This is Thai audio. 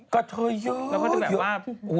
กะเทยเยอะ